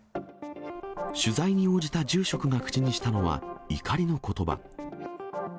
取材に応じた住職が口にしたのは怒りのことば。